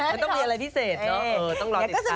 มันต้องมีอะไรพิเศษเนอะต้องรอติดตาม